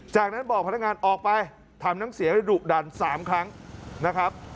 จากนั้นบอกพนักงานออกไปทำน้ำเสียงให้ดุดัน๓ครั้งนะครับ